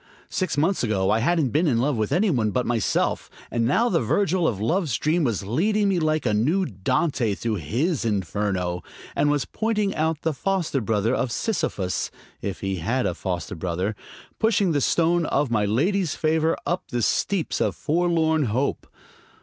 Six months ago I hadn't been in love with any one but myself, and now the Virgil of love's dream was leading me like a new Dante through his Inferno, and was pointing out the foster brother of Sisyphus (if he had a foster brother), pushing the stone of my lady's favor up the steeps of Forlorn Hope.